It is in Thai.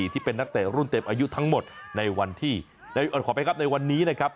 ที่เป็นนักเตะรุ่นเต็มอายุทั้งหมดในวันที่ขอไปครับในวันนี้นะครับ